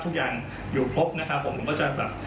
ทุกอย่างอยู่พรบนะครับผม